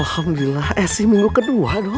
alhamdulillah esi minggu kedua doi